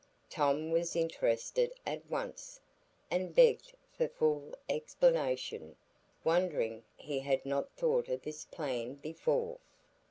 Tom was interested at once, and begged for full explanation, wondering he had not thought of this plan before.